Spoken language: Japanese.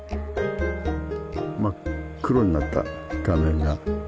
真っ黒になった画面が。